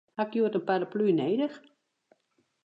Ha ik hjoed in paraplu nedich?